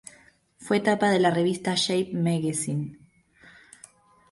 Fue tapa de la revista Shape Magazine.